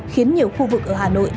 khiến nhiều khu vực ở hà nội